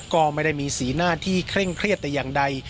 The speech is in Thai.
ก็ไม่ได้มีสีหน้าที่เคร่งเครียดแต่อย่างใด